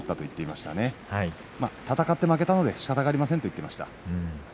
まあ戦って負けたのでしかたがありませんと言っていました。